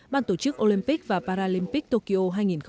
ban tổ chức olympic và paralympic tokyo hai nghìn hai mươi